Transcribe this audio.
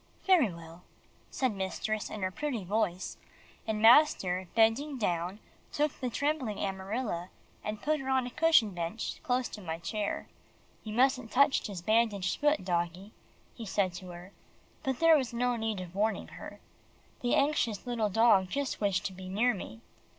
"Very well," said mistress in her pretty voice, and master bending down took the trembling Amarilla, and put her on a cushioned bench close to my chair. "You mustn't touch his bandaged feet, doggie," he said to her, but there was no need of warning her. The anxious little dog just wished to be near me.